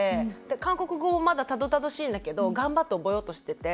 韓国語もまだたどたどしいんだけど頑張って覚えようとしてて。